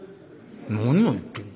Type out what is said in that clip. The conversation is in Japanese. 「何を言ってんだ。